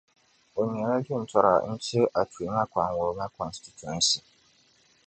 O nyɛla jintɔra n-ti Atwima-Kwanwoma Constituency.